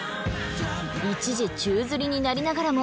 一時宙づりになりながらも。